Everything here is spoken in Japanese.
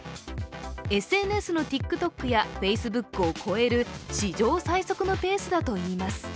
ＳＮＳのＴｉｋＴｏｋやＦａｃｅｂｏｏｋを超える史上最速のペースだといいます。